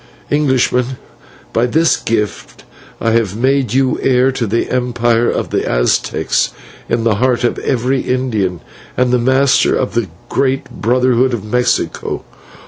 "Englishman, by this gift I have made you heir to the empire of the Aztecs in the heart of every Indian, and the master of the great brotherhood of Mexico.